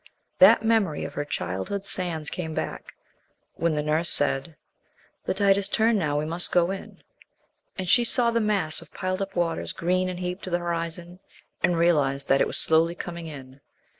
That memory of her childhood sands came back, when the nurse said, "The tide has turned now; we must go in," and she saw the mass of piled up waters, green and heaped to the horizon, and realized that it was slowly coming in.